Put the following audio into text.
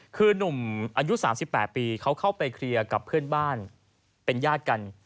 คือนุ่มอายุ๓๘ปีเขาเข้าไปเคลียร์กับเพื่อนบ้านเป็นญาติกัน